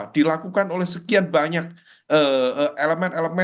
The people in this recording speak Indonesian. dilakukan oleh sekian banyak elemen elemen